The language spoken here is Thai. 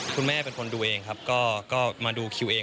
คุณแม่เป็นคนดูเองครับก็มาดูคิวเอง